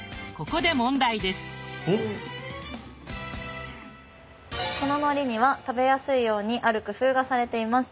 こののりには食べやすいようにある工夫がされています。